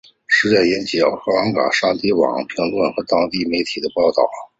事件引起粤港澳三地网民讨论和当地媒体报导。